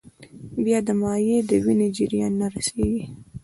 بیا دا مایع د وینې جریان ته رسېږي.